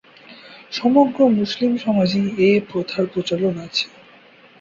সমগ্র মুসলিম সমাজেই এ প্রথার প্রচলন আছে।